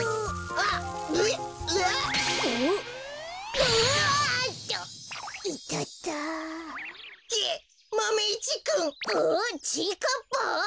あちぃかっぱ！